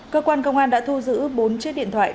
cơ quan công an đã thu giữ bốn chiếc điện thoại